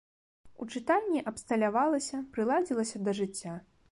У чытальні абсталявалася, прыладзілася да жыцця.